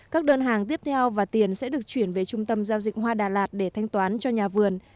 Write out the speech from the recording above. các đơn hàng tiếp theo và tiền sẽ được chuyển về trung tâm giao dịch hoa đà lạt để thanh toán cho nhà vườn